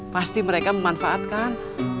pasti mereka memanfaatkan